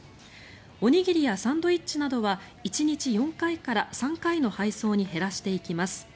おにぎりやサンドイッチなどは１日４回から３回の配送に減らしていきます。